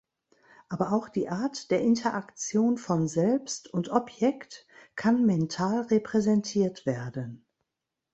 Aber auch die Art der Interaktion von Selbst und Objekt kann mental repräsentiert werden.